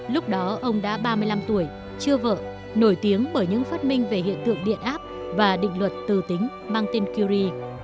lúc đó ông đã ba mươi năm tuổi chưa vợ nổi tiếng bởi những phát minh về hiện tượng điện áp và định luật từ tính mang tên kiri